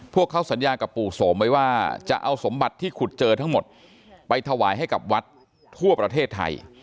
พวกเขาสัญญากับปู่โสมไว้ว่าจะเอาสมบัติที่ขุดเจอทั้งหมดไปถวายให้กับวัดทั่วประเทศไทย